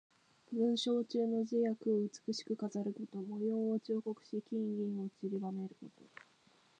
文章中の字や句を美しく飾ること。模様を彫刻し、金銀をちりばめること。